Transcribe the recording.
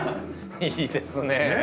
いいですね！